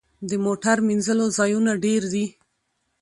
د موټر مینځلو ځایونه ډیر دي؟